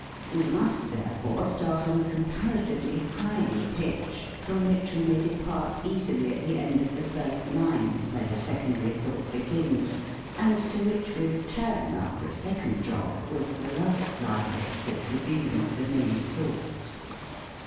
We must, therefore, start on a comparatively high pitch, from which we may depart easily at the end of the first line, where the secondary thought begins, and to which we return, after a sec ond drop, with the last line, which resumes the main thought.